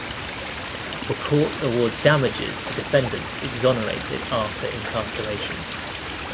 The Court awards damages to defendants exonerated after incarceration.